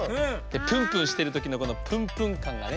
プンプンしてるときのこのプンプンかんがね。